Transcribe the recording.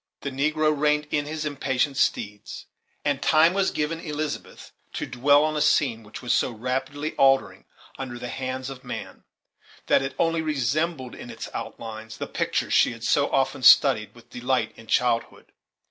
The negro reined in his impatient steeds, and time was given Elizabeth to dwell on a scene which was so rapidly altering under the hands of man, that it only resembled in its outlines the picture she had so often studied with delight in childhood.